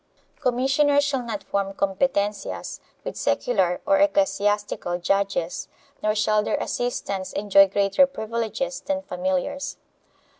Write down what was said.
Commissioners shall not form competencias with secular or ecclesiastical judges, nor shall their assistants enjoy greater privileges than familiars.